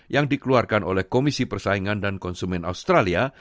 yang dikeluarkan oleh komisi persaingan dan konsumen australia